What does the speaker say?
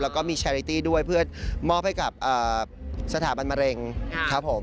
แล้วก็มีแชริตี้ด้วยเพื่อมอบให้กับสถาบันมะเร็งครับผม